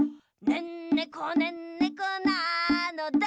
「ねんねこねんねこなのだ」